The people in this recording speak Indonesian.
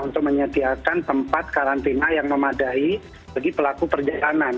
untuk menyediakan tempat karantina yang memadai bagi pelaku perjalanan